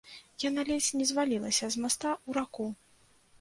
Яна ледзь не звалілася з моста ў раку.